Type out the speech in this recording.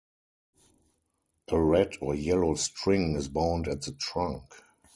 A red or yellow string is bound at the trunk.